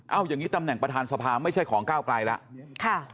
เอาอย่างนี้ตำแหน่งประธานสภาไม่ใช่ของก้าวไกลแล้ว